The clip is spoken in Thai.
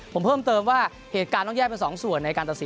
ผมเพิ่มเติมว่าเหตุการณ์ต้องแยกเป็น๒ส่วนในการตัดสิน